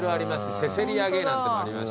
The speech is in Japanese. せせり揚げなんてのもありますし。